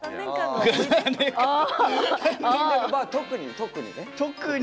特に特に。